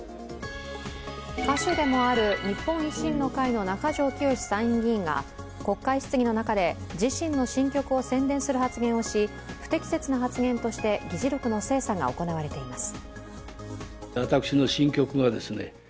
歌手でもある日本維新の会の中条きよし参院議員が国会質疑の中で、自身の新曲を宣伝する発言をし不適切な発言として議事録の精査が行われています。